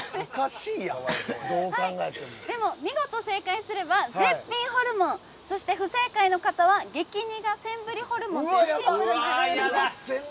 でも見事正解すれば絶品ホルモンそして不正解の方は激苦センブリホルモンというシンプルな罰です。